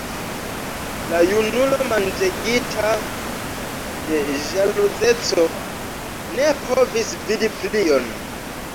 La junulo manĝegita de ĵaluzeco ne povis vidi plion.